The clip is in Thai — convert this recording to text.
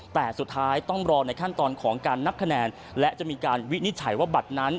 แต่สุดท้ายต้องรอในขั้นตอนของการนับคะแนนและจะมีการวินิจฉัยว่าบัตรนั้น